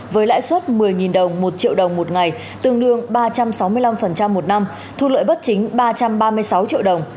với lãi suất một mươi đồng một triệu đồng một ngày tương đương ba trăm sáu mươi năm một năm thu lợi bất chính ba trăm ba mươi sáu triệu đồng